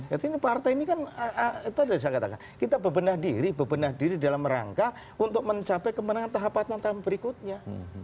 jadi partai ini kan kita bebenah diri dalam rangka untuk mencapai kemenangan tahapan tahapan berikutnya